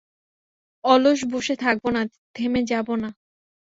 অলস বসে থাকবো না, থেমে যাবো না।